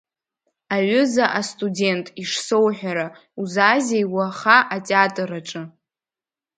Аҩыза астудент, ишсоуҳәара, узаазеи уаха атеатр аҿы?